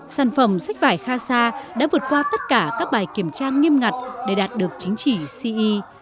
sản phẩm sách vải khasa đã vượt qua tất cả các bài kiểm tra nghiêm ngặt để đạt được chính trị ce